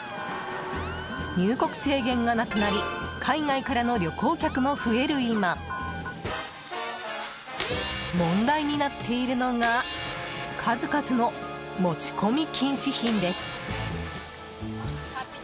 入国制限がなくなり海外からの旅行客も増える今問題になっているのが数々の持ち込み禁止品です。